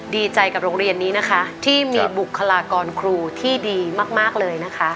ดีใจกับโรงเรียนนี้นะคะที่มีบุคลากรครูที่ดีมากเลยนะคะ